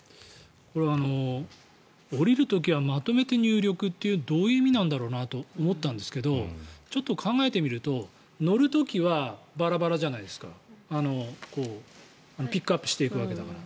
これは降りる時はまとめて入力というどういう意味なんだろうなと思ったんですけどちょっと考えてみると乗る時はバラバラじゃないですかピックアップしていくわけだから。